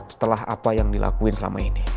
setelah apa yang dilakuin selama ini